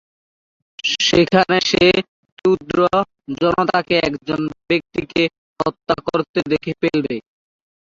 সেখানে সে ক্রুদ্ধ জনতাকে একজন ব্যক্তিকে হত্যা করতে দেখে ফেলে।